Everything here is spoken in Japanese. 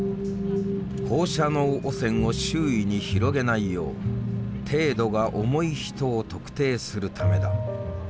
放射能汚染を周囲に広げないよう程度が重い人を特定するためだ。